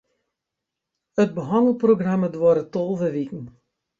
It behannelprogramma duorret tolve wiken.